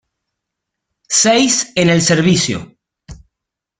Seis en el servicio.